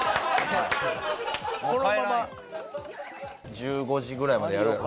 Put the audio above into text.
１５時ぐらいまでやろうか。